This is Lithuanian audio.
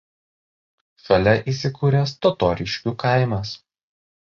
Šalia įsikūręs Totoriškių kaimas.